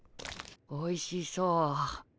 おいしそう。